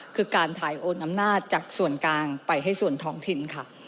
คือการถ่ายโอนอำนาจจากส่วนกลางไปให้ส่วนท้องถิ่นค่ะ